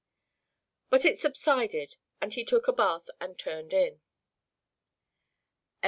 But it subsided and he took a bath and "turned in."